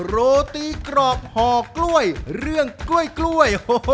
โรตีกรอบห่อกล้วยเรื่องกล้วย